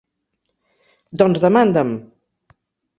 Doncs demanda"m!